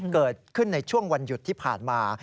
เกิดขึ้นในช่วงวันหยุดที่ผ่านมา